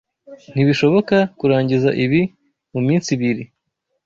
Ntibishoboka kurangiza ibi muminsi ibiri.